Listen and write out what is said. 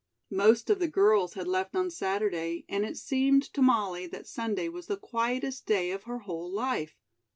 Most of the girls had left on Saturday, and it seemed to Molly that Sunday was the quietest day of her whole life.